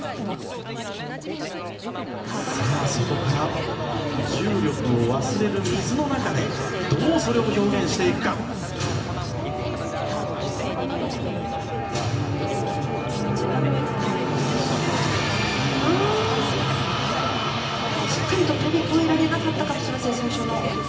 そこから、重力を忘れる水の中でどうそれを表現していくか。しっかりと飛び越えられなかったかもしれません。